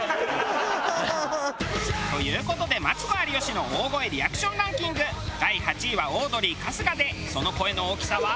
ハハハハ！という事でマツコ有吉の大声リアクションランキング第８位はオードリー春日でその声の大きさは。